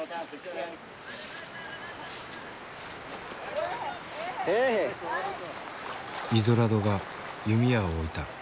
イゾラドが弓矢を置いた。